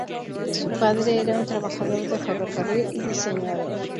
Su padre era un trabajador de ferrocarril y diseñador.